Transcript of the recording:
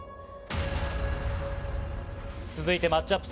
続いてマッチアップ